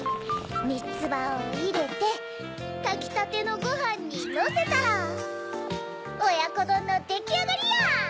みつばをいれてたきたてのごはんにのせたらおやこどんのできあがりや！